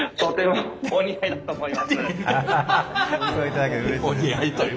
はい。